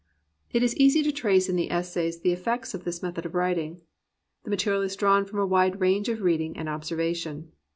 It is easy to trace in the essays the effects of this method of writing. The material is drawn from a wide range of reading and observation.